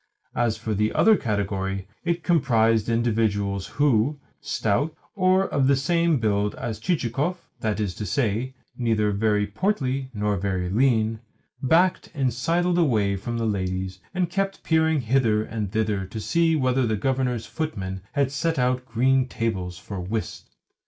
As for the other category, it comprised individuals who, stout, or of the same build as Chichikov (that is to say, neither very portly nor very lean), backed and sidled away from the ladies, and kept peering hither and thither to see whether the Governor's footmen had set out green tables for whist.